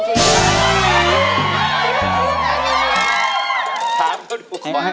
ถามเขาดูค่ะ